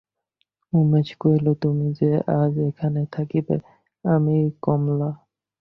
উমেশ কহিল, তুমি যে আজ এখানে থাকিবে, আমি– কমলা।